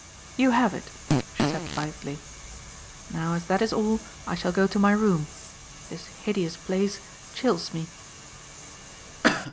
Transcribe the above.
"You have it," she said lightly. "Now as that is all I shall go to my room. This hideous place chills me."